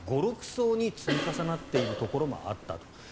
５６層に積み重なっているところもあったと。